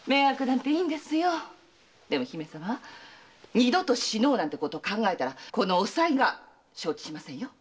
二度と“死のう”なんてこと考えたらこのおさいが承知しませんよ。